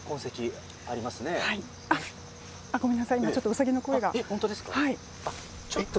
今、ちょっとウサギの鳴き声が。